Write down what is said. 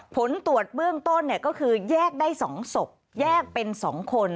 ผลตรวจเบื้องต้นก็คือแยกได้๒ศพแยกเป็น๒คน